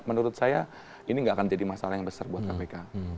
menurut saya ini nggak akan jadi masalah yang besar buat kpk